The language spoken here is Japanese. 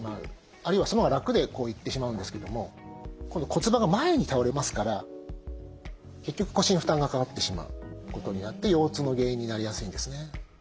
あるいはそのほうが楽でいってしまうんですけども今度骨盤が前に倒れますから結局腰に負担がかかってしまうことになって腰痛の原因になりやすいんですね。